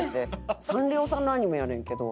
サンリオさんのアニメやねんけど。